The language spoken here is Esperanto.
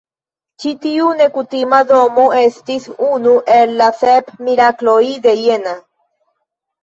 Ĉi-tiu nekutima domo estis unu el la "Sep Mirakloj de Jena".